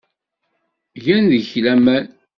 Gan deg-k laman.